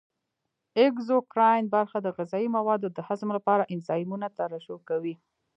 اګزوکراین برخه د غذایي موادو د هضم لپاره انزایمونه ترشح کوي.